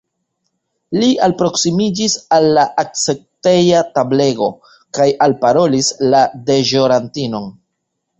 Li alproksimiĝis al la akcepteja tablego kaj alparolis la deĵorantinon.